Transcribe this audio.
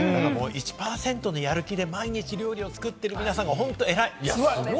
１％のやる気で毎日料理作ってる皆さんがえらい！